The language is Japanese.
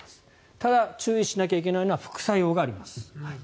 ただ、注意しなきゃいけないのは副作用があります。